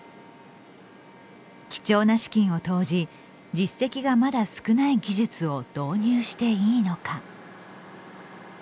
貴重な資金を投じ実績がまだ少ない技術を導入していいのか。